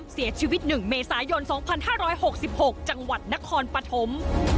เสียชีวิต๑เมษายน๒๕๖๖จังหวัดนครปฐม